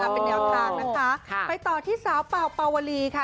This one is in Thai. เป็นอย่างต่างนะคะไปต่อที่สาวเปล่าเปล่าวลีค่ะ